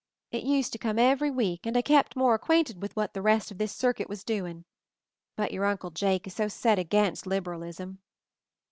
It used to come every week, and I kept more acquainted with what the rest of this circuit was doing. But your Uncle Jake is so set against liberalism!"